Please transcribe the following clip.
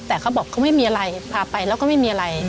แต่เขาบอกเขาไม่มีอะไรพาไปแล้วก็ไม่มีอะไร